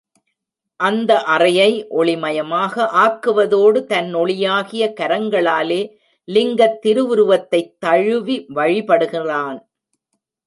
அந்த அறையை ஒளிமயமாக் ஆக்குவதோடு தன் ஒளியாகிய கரங்களாலே லிங்கத் திருவுருவத்தைத் தழுவி வழிபடுகிறான்.